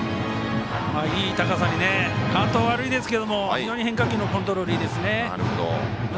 いい高さにカウント悪いですが非常に変化球のコントロールいいですね。